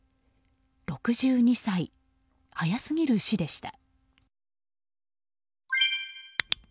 ６２歳、早すぎる死でした。